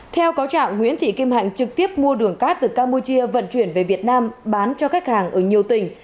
theo cáo trạng nguyễn thị kim hạnh trực tiếp mua đường cát từ campuchia vận chuyển về việt nam bán cho khách hàng ở nhiều tỉnh